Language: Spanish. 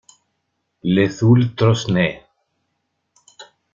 Le Thoult-Trosnay